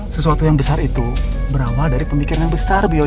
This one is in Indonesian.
sesuatu yang besar itu berawal dari pemikiran yang besar bu yoyah